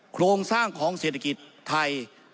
โครงสร้างของเศรษฐกิจไทย